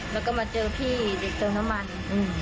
แล้วก็มาเจอพี่เด็กเติมน้ำมัน